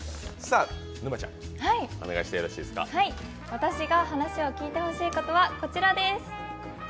私が話を聞いてほしいことは、こちらです。